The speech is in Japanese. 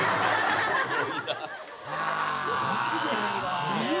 すげえな。